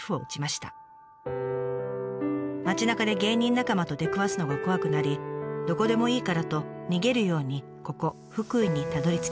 街なかで芸人仲間と出くわすのが怖くなりどこでもいいからと逃げるようにここ福井にたどりつきました。